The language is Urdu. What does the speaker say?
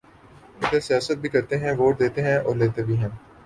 ا دھر سیاست بھی کرتے ہیں ووٹ دیتے ہیں اور لیتے بھی ہیں